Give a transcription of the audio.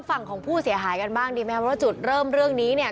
ฝั่งของผู้เสียหายกันบ้างดีไหมครับว่าจุดเริ่มเรื่องนี้เนี่ย